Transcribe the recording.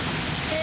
え？